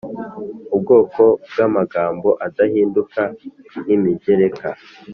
ubwoko bw’amagambo adahinduka nk’imigereka